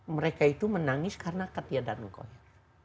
mereka itu menangis karena ketia dan ngkonya